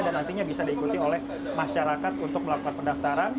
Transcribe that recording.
dan nantinya bisa diikuti oleh masyarakat untuk melakukan pendaftaran